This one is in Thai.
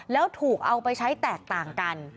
แล้วถูกเอาไปใช้แตกต่างกัน